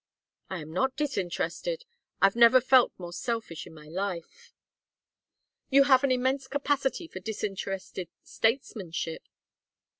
"I am not disinterested. I never felt more selfish in my life." "You have an immense capacity for disinterested statesmanship.